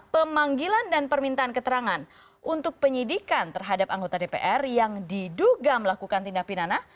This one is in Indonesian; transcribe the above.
pemanggilan dan permintaan keterangan untuk penyidikan terhadap anggota dpr yang diduga melakukan tindak pidana